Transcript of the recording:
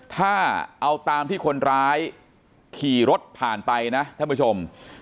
ถ้าเอาตามที่คนร้ายขี่รถผ่านไปนะท่านผู้ชม